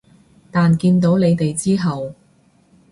但見到你哋之後